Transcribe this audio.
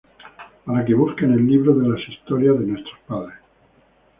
Para que busque en el libro de las historias de nuestros padres;